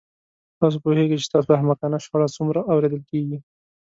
تاسو پوهیږئ چې ستاسو احمقانه شخړه څومره اوریدل کیږي